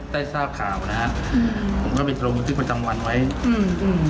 ได้ทราบข่าวนะฮะอืมผมก็ไปโรงพิธีประจำวันไว้อืมอืม